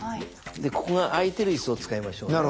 ここが空いてる椅子を使いましょうね。